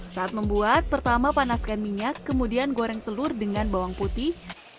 saat membuat pertama panaskan minyak kemudian goreng telur dengan bawang putih